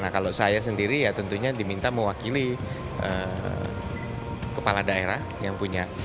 nah kalau saya sendiri ya tentunya diminta mewakili kepala daerah yang punya